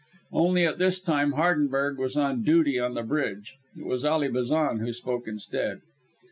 Only, at this time, Hardenberg was on duty on the bridge. It was Ally Bazan who spoke instead.